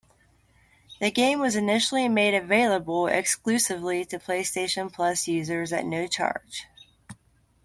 The game was initially made available exclusively to PlayStation Plus users at no charge.